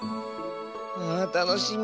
あたのしみ。